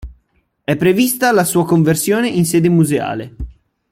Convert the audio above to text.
È prevista la sua conversione in sede museale.